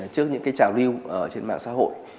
trước những cái trào lưu trên mạng xã hội